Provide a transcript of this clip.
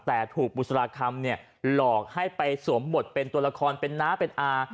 แต่ถูกบุษราคำหลอกให้ไปสวมบทเป็นตัวละครเป็นน้าเป็นอา